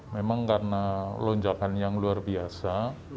memang karena lonjakan yang luar biasa